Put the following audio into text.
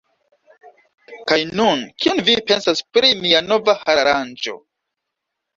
Kaj nun, kion vi pensas pri mia nova hararanĝo?